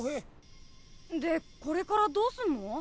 でこれからどうするの？